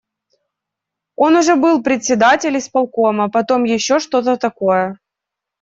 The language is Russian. Он уже был председатель исполкома, потом ещё что-то такое.